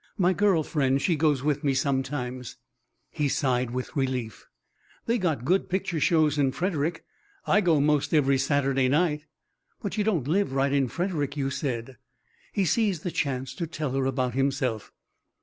My girl friend, she goes with me sometimes." He sighed with relief. "They got good picture shows in Frederick. I go 'most every Saturday night." "But you don't live right in Frederick, you said." He seized the chance to tell her about himself.